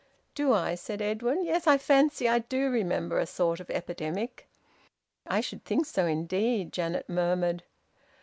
"Do I?" said Edwin. "Yes, I fancy I do remember a sort of epidemic." "I should think so indeed!" Janet murmured.